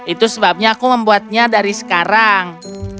itu sebabnya aku membuatnya dari sekarang